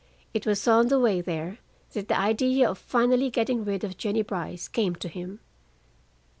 It was on the way there that the idea of finally getting rid of Jennie Brice came to him.